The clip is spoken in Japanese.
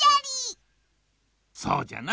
そうじゃな。